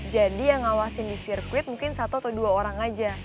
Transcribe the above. jadi yang ngawasin di sirkuit mungkin satu atau dua orang aja